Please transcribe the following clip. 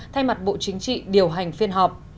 thay mặt bộ chính trị điều hành phiên họp